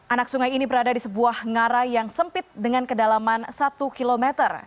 anak sungai ini berada di sebuah ngarai yang sempit dengan kedalaman satu km